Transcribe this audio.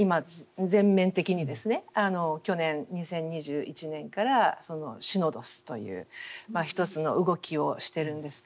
去年２０２１年からシノドスという一つの動きをしてるんですけれども。